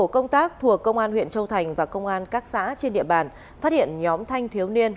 công an huyện châu thành và công an các xã trên địa bàn phát hiện nhóm thanh thiếu niên